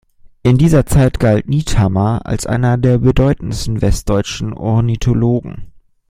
In dieser Zeit galt Niethammer als einer der bedeutendsten westdeutschen Ornithologen.